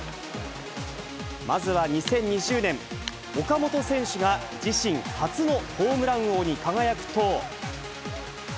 まずは２０２０年、岡本選手が自身初のホームラン王に輝くと。